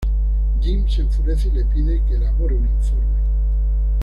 Jim se enfurece y le pide que elabore un informe.